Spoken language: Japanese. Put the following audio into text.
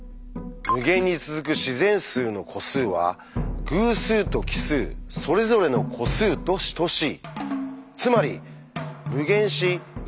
「無限に続く自然数の個数は偶数と奇数それぞれの個数と等しい」。